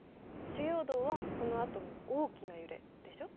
主要動はそのあとの大きな揺れ。でしょ？